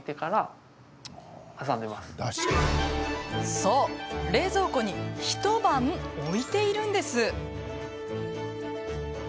そう、冷蔵庫に一晩、置いているんです。